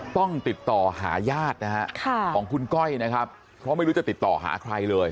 ต้องติดต่อหาญาตินะฮะของคุณก้อยนะครับเพราะไม่รู้จะติดต่อหาใครเลย